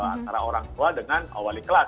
antara orang tua dengan wali kelas